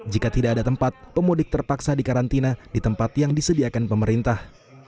jika tidak ada tempat pemudik terpaksa dikarantina di tempat yang disediakan pemerintah